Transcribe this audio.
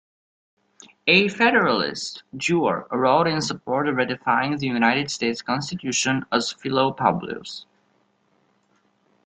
A Federalist, Duer wrote in support of ratifying the United States Constitution as Philo-Publius.